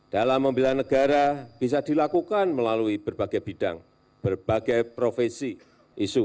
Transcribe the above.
dalam membela negara bisa dilakukan melalui berbagai bidang berbagai profesi isu